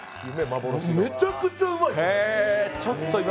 めちゃくちゃうまいです。